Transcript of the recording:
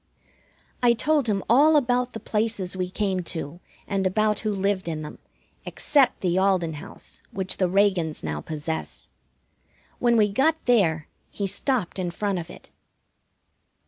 I told him about all the places we came to, and about who lived in them, except the Alden house which the Reagans now possess. When we got there he stopped in front of it.